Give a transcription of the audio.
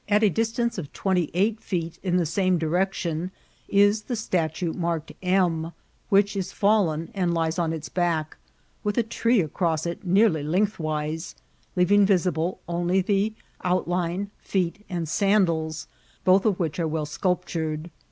167 At the distance of twenty eight feet in the same di rection is the statue marked M^ which is fallen, and lies on its back, with a tree across it nearly lengthwise, leaving visible only the outline, feet, and sandals, both of which are well sculptured.